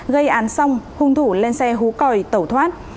gây án xong hung thủ lên xe hú còi tẩu thoát